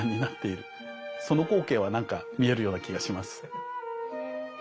その光景は何か見えるような気がします。